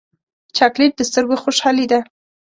چاکلېټ د سترګو خوشحالي ده.